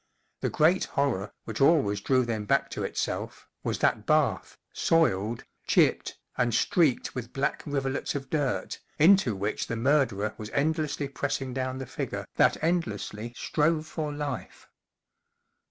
The great horror, which always drew them back to itself, was that bath, soiled, chipped, and streaked with black rivulets of dirt, into which the murderer was endlessly pressing down the figure that endlessly strove for life.